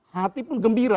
hati pun gembira